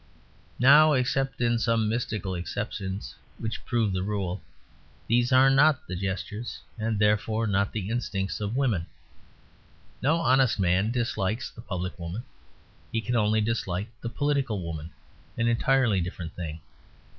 Now, except in some mystical exceptions which prove the rule, these are not the gestures, and therefore not the instincts, of women. No honest man dislikes the public woman. He can only dislike the political woman; an entirely different thing.